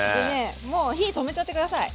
もう火止めちゃって下さい。